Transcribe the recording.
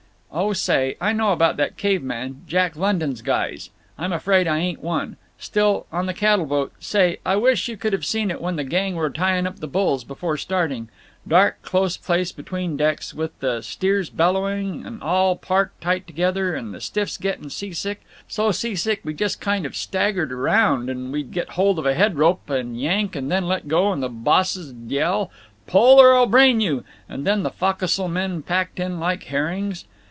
"Oh say, I know about that caveman—Jack London's guys. I'm afraid I ain't one. Still—on the cattle boat—Say, I wish you could of seen it when the gang were tying up the bulls, before starting. Dark close place 'tween decks, with the steers bellowin' and all packed tight together, and the stiffs gettin' seasick—so seasick we just kind of staggered around; and we'd get hold of a head rope and yank and then let go, and the bosses'd yell, 'Pull, or I'll brain you.' And then the fo'c'sle—men packed in like herrings."